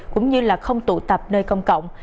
cũng như là không tụ tập nơi công cộng